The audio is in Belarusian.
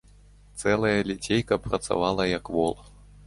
Цэлае лецейка працавала як вол.